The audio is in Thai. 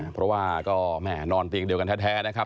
เพราะว่าก็แม่นอนเตียงเดียวกันแท้นะครับ